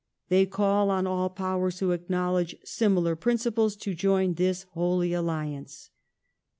They call on all powers who acknowledge similai' principles to join this Holy Alliance."